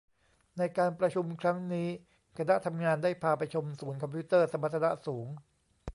ในการประชุมครั้งนี้คณะทำงานได้พาไปชมศูนย์คอมพิวเตอร์สมรรถนะสูง